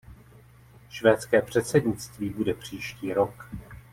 Švédské předsednictví bude příští rok.